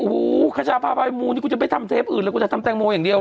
โอ้โหขชาพาบายมูลนี่กูจะไปทำเทปอื่นเลยกูจะทำแตงโมอย่างเดียว